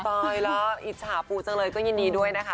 อยแล้วอิจฉาปูจังเลยก็ยินดีด้วยนะคะ